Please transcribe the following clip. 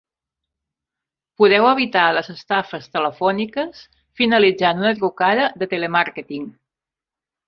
Podeu evitar les estafes telefòniques finalitzant una trucada de telemàrqueting.